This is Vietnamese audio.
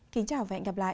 kính chào và hẹn gặp lại